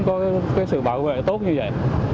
cái sự bảo vệ tốt như vậy